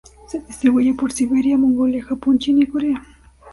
Se distribuye por Siberia, Mongolia, Japón, China y Corea.